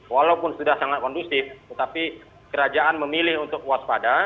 walaupun sudah sangat kondusif tetapi kerajaan memilih untuk waspada